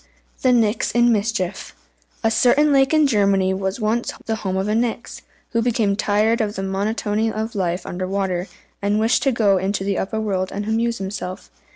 THE NIX IN MISCHIEF. A certain lake in Germany was once the home of a Nix, who became tired of the monotony of life under water, and wished to go into the upper world and amuse himself.